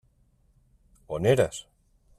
On eres?